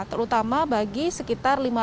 terutama bagi sekitar lima siswa lembut